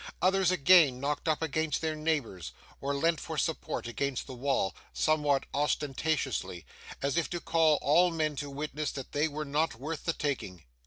Others, again, knocked up against their neighbours, or leant for support against the wall somewhat ostentatiously, as if to call all men to witness that they were not worth the taking.